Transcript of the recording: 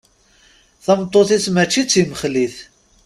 Tameṭṭut-is mačči d timexlit.